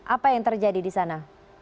apa yang terjadi di sana